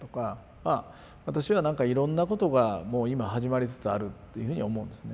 まあ私はなんかいろんなことがもう今始まりつつあるっていうふうに思うんですね。